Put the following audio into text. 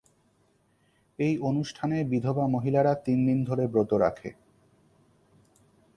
এই অনুষ্ঠানে বিধবা মহিলারা তিন দিন ধরে ব্রত রাখে।